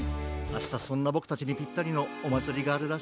あしたそんなボクたちにぴったりのおまつりがあるらしい。